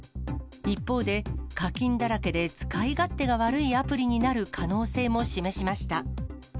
一方で、課金だらけで使い勝手が悪いアプリになる可能性も示しました。